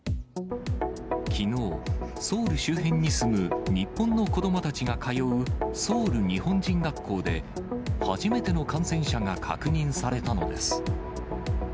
きのう、ソウル周辺に住む日本の子どもたちが通うソウル日本人学校で、初めての感染者が確認されたのです。